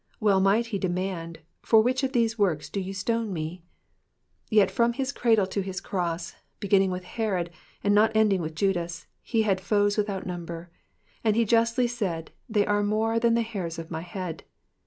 Well might he demand, For which of these works do ye stone me V Tet from his cradle to hb cross, beginning with Herod and not ending with Judas, he had foes without number ; and he justly said, they *'*' are more than tie ham of mine head.'"